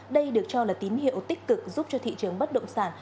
đây được cho là tín hiệu tích cực giúp cho thị trường bất động sản